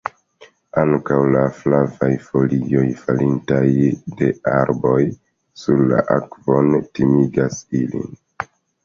Ankaŭ la flavaj folioj, falintaj de arboj sur la akvon timigas ilin.